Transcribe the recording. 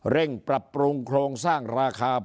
เร่งปรับปรุงโครงสร้างราคามากที่สุด